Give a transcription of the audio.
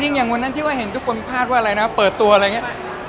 อย่างวันนั้นที่ว่าเห็นทุกคนพลาดว่าอะไรนะเปิดตัวอะไรอย่างนี้